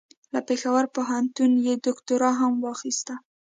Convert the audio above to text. له پېښور پوهنتون یې دوکتورا هم واخیسته.